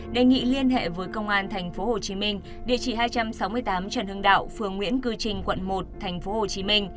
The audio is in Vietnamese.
đề nghị liên hệ với công an tp hcm địa chỉ hai trăm sáu mươi tám trần hưng đạo phường nguyễn cư trình quận một tp hcm